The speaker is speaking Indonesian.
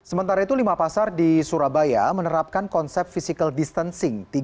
sementara itu lima pasar di surabaya menerapkan konsep physical distancing